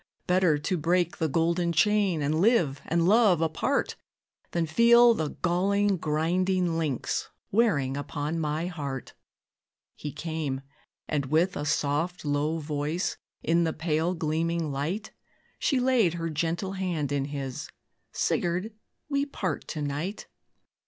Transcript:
Better to break the golden chain, And live and love apart, Than feel the galling, grinding links Wearing upon my heart." He came, and, with a soft, low voice, In the pale gleaming light, She laid her gentle hand in his "Sigurd, we part to night.